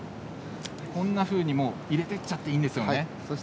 こんなふうに入れていってしまって、いいんですよね。